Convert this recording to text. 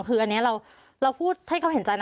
คืออันนี้เราพูดให้เขาเห็นใจนะ